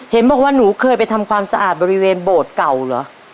เห็นบอกว่าหนูเคยไปทำความสะอาดบริเวณโบสถ์เก่าเหรอ